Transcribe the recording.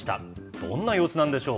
どんな様子なんでしょう。